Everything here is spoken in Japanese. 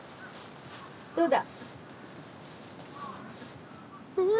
どうだ。